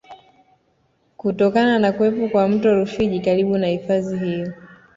Kutokana na kuwepo kwa mto Rufiji karibu na hifadhi hiyo